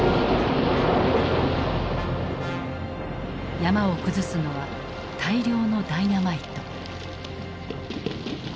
山を崩すのは大量のダイナマイト。